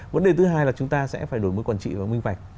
vấn đề thứ hai là chúng ta sẽ phải đổi mới quản trị và minh vạch